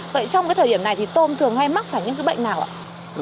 vậy trong thời điểm này thì tôm thường hay mắc phải những bệnh nào ạ